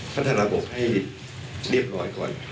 พัฒนาระบบให้เรียบร้อยก่อน